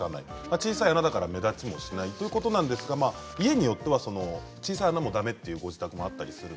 小さい穴だから目立ちもしないということですが家によっては、小さい穴もだめということがあります。